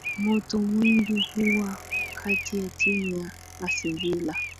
moto mwingi huwa kati ya timu ya acvilla